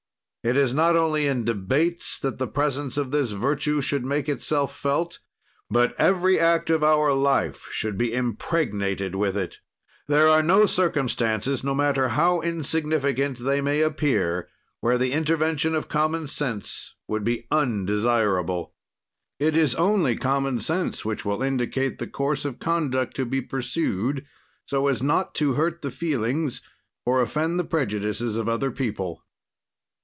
It is not only in debates that the presence of this virtue should make itself felt, but every act of our life should be impregnated with it. There are no circumstances, no matter how insignificant they may appear, where the intervention of common sense would be undesirable. It is only common sense which will indicate the course of conduct to be pursued, so as not to hurt the feelings or offend the prejudices of other people.